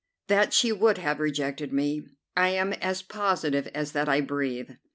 That she would have rejected me, I am as positive as that I breathe.